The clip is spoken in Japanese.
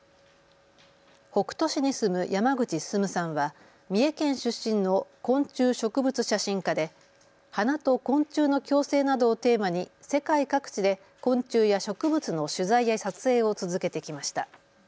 北杜市に住む山口進さんは三重県出身の昆虫植物写真家で花と昆虫の共生などをテーマに世界各地で昆虫や植物の取材や撮影を続けてきました。